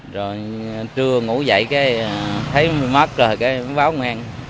rồi trưa ngủ dậy thấy mất rồi mới báo nguyên